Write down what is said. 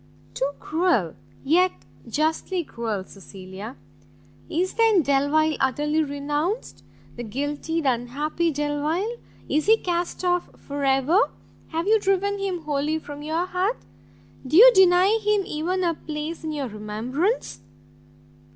"Too cruel, yet justly cruel Cecilia! is then Delvile utterly renounced? the guilty, the unhappy Delvile! is he cast off for ever? have you driven him wholly from your heart? do you deny him even a place in your remembrance?"